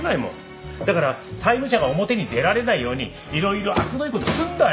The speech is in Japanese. だから債務者が表に出られないようにいろいろあくどい事するんだよ！